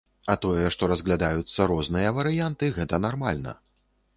А тое, што разглядаюцца розныя варыянты, гэта нармальна.